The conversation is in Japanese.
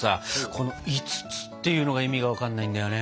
この５つっていうのが意味が分かんないんだよね。